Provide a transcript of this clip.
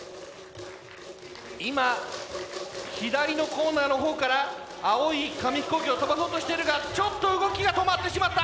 今左のコーナーのほうから青い紙飛行機を飛ばそうとしているがちょっと動きが止まってしまった！